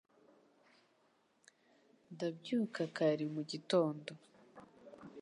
Ndabyuka kare mu gitondo. (AlanF_US)